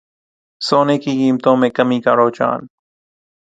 سونے کی قیمتوں میں کمی کا رجحان